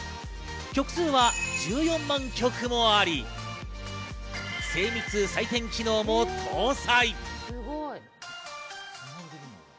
曲数は１４万曲もあり、精密採点機能も搭載。